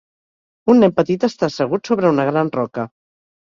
un nen petit està assegut sobre una gran roca